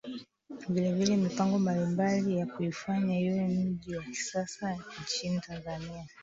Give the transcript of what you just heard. vilivile mipango mbalimbali ya kuifanya iwe mji wa kisasa nchini Tanzania